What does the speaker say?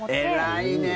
偉いね。